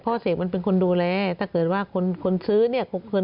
เสกมันเป็นคนดูแลถ้าเกิดว่าคนคนซื้อเนี่ย